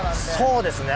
そうですね。